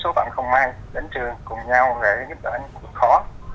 rồi giúp đỡ anh cũng khó